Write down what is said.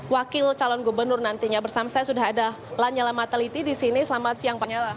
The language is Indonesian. wakil calon gubernur nantinya bersama saya sudah ada lanyala mataliti di sini selamat siang pak nyala